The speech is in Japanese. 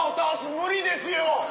無理ですよ！